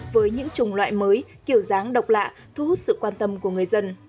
với những chủng loại mới kiểu dáng độc lạ thu hút sự quan tâm của người dân